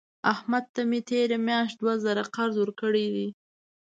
احمد ته مې تېره میاشت دوه زره قرض ورکړې.